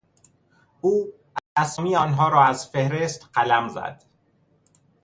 او اسامی آنها را از فهرست قلم زد.